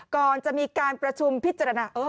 ก่อนจะมีการประชุมพิจารณา